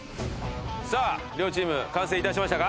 さあ両チーム完成致しましたか？